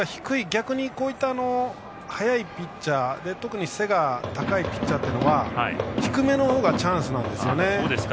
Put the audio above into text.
逆にこういった速いピッチャーで特に背が高いピッチャーは低めのほうがチャンスなんですよね。